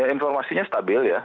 informasinya stabil ya